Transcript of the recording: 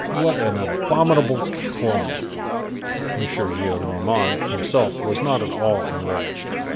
What an abominable calumny! M. Gillenormand himself was not at all enraged.